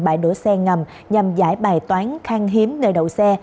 bãi đổ xe ngầm nhằm giải bài toán khang hiếm người đầu xe